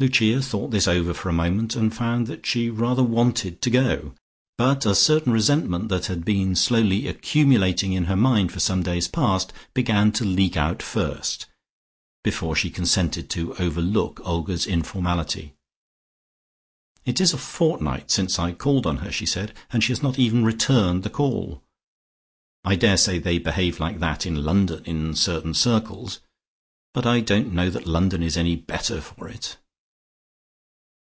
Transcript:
Lucia thought this over for a moment and found that she rather wanted to go. But a certain resentment that had been slowly accumulating in her mind for some days past began to leak out first, before she consented to overlook Olga's informality. "It is a fortnight since I called on her," she said, "and she has not even returned the call. I daresay they behave like that in London in certain circles, but I don't know that London is any better for it."